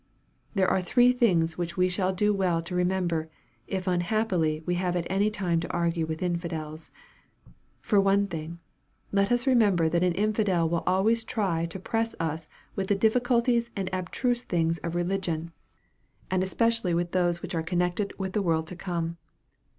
There are three things which we shall do well to re member, if unhappily we have at any time to argne with infidels. For one thing, let us remember that an r nfidel will always try to press us with the difficulties and ab struse things of religion, and especially with those which MARK, CHAP. XII. 251 are connected with the world to come.